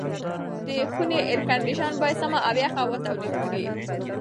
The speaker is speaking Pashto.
د خونې اېرکنډیشن باید سمه او یخه هوا تولید کړي.